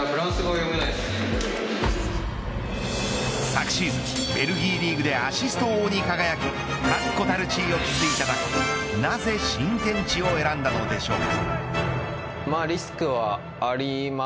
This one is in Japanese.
昨シーズン、ベルギーリーグでアシスト王に輝き確固たる地位を築いたがなぜ新天地を選んだのでしょう。